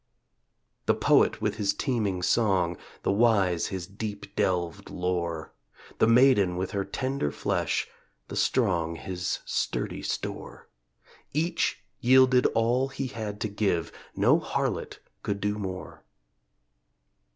The poet with his teeming song, The wise his deep delved lore, The maiden with her tender flesh, The strong his sturdy store: Each yielded all he had to give; No harlot could do more.